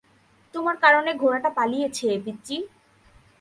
তোমার কারণে ঘোড়াটা পালিয়েছে, পিচ্চি!